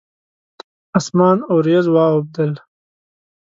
اسمان اوریځ واوبدل